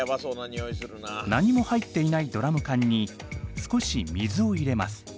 何も入っていないドラム缶に少し水を入れます。